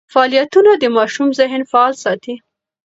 فعالیتونه د ماشوم ذهن فعال ساتي.